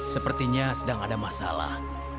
sepertinya sedang ada masalah